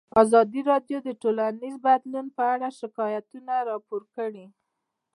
ازادي راډیو د ټولنیز بدلون اړوند شکایتونه راپور کړي.